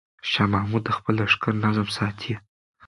شاه محمود د خپل لښکر نظم ساتي.